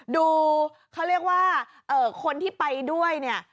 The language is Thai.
ดูเขาเรียกว่าคนที่ไปด้วยเนี่ย